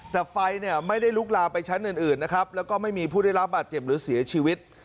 แต่ไฟเนี่ยไม่ได้ลุกลามไปชั้นอื่นนะครับแล้วก็ไม่มีผู้ได้รับบาดเจ็บหรือเสียชีวิต